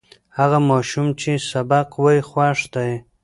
هغه ماشوم چې سبق وایي، خوښ دی.